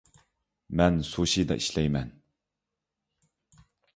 مەن سۇشىدا ئىشلەيمەن